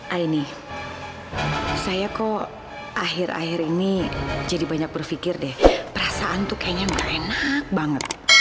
ah ini saya kok akhir akhir ini jadi banyak berpikir deh perasaan tuh kayaknya gak enak banget